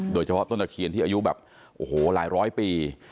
โดยเฉพาะต้นตะเคียนที่อายุแบบโอ้โหหลายร้อยปี